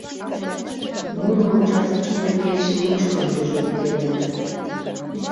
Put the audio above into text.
Нуно участкыште кече мучко дежуритленыт.